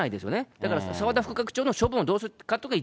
だから澤田副学長の処分をどうするかっていうのが、